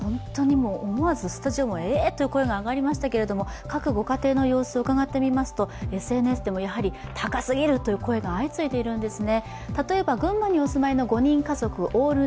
思わずスタジオもえっという声が上がりましたけど、各ご家庭の様子、うがってみますとＳＮＳでも高すぎるという声が相次いでいるんですね。